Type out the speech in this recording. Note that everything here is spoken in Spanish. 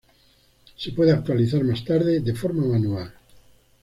Se puede actualizar más tarde de forma manual.